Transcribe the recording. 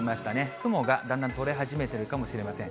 雲がだんだん取れ始めてるかもしれません。